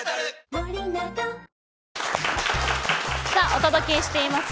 お届けしています